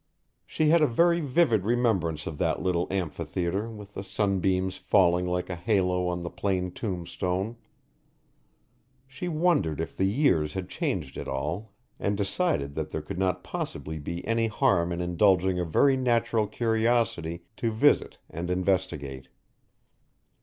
She had a very vivid remembrance of that little amphitheatre with the sunbeams falling like a halo on the plain tombstone; she wondered if the years had changed it all and decided that there could not possibly be any harm in indulging a very natural curiosity to visit and investigate.